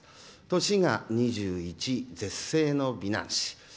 年が２１、絶世の美男子。